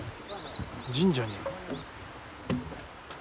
神社に。